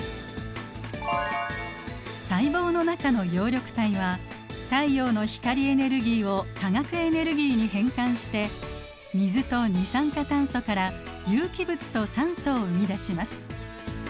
細胞の中の葉緑体は太陽の光エネルギーを化学エネルギーに変換して水と二酸化炭素から有機物と酸素を生み出します。